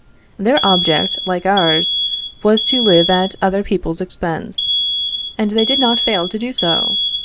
Their object, like ours, was to live at other people's expense, and they did not fail to do so.